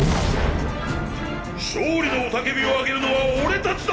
勝利の雄叫びを上げるのは俺たちだ！！